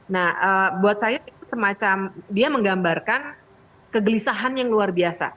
nah buat saya itu semacam dia menggambarkan kegelisahan yang luar biasa